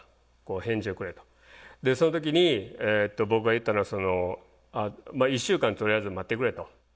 その時に僕が言ったのは「１週間とりあえず待ってくれ」と。